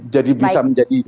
jadi bisa menjadi